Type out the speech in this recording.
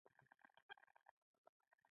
زړه د نرمو احساساتو کعبه ده.